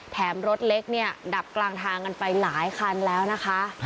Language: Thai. รถเล็กเนี่ยดับกลางทางกันไปหลายคันแล้วนะคะ